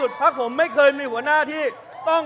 คุณจิลายุเขาบอกว่ามันควรทำงานร่วมกัน